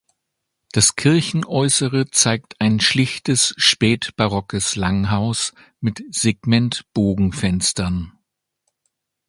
Das Kirchenäußere zeigt ein schlichtes spätbarockes Langhaus mit Segmentbogenfenstern.